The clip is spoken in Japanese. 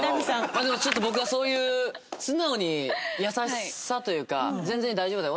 まあでもちょっと僕はそういう素直に優しさというか「全然大丈夫だよ。